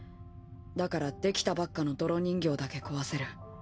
だから出来たばっかの泥人形だけ壊せる。